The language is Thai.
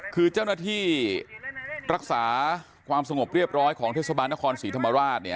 คือเจ้าหน้าที่รักษาความสงบเรียบร้อยของเทศบาลนครศรีธรรมราชเนี่ย